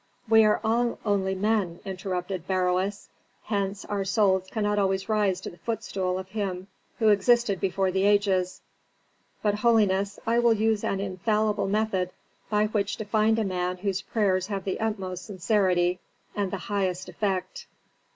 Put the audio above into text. "We are all only men," interrupted Beroes; "hence our souls cannot always rise to the footstool of Him who existed before the ages. But, holiness, I will use an infallible method by which to find a man whose prayers have the utmost sincerity, and the highest effect."